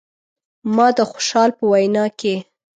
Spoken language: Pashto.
خو ما د خوشحال په وینا کې.